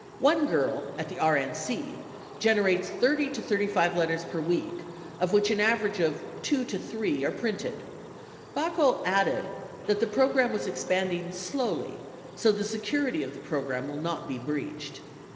One girl at the RNC gener ates 30 to 35 letters per week, of which an average of two to three are printed." 43 Baukol added the program was expanding "slowly, so the security of the program will not be breached."